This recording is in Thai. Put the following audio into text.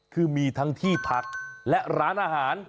คือมีทั้งที่พักและร้านอาหาร